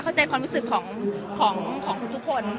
เข้าใจความรู้สึกของทุกคน